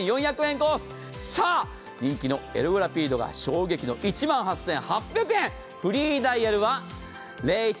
さあ、人気のエルゴラピードが衝撃の１万８８００円。